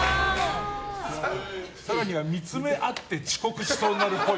更には見つめ合って遅刻しそうになるっぽい。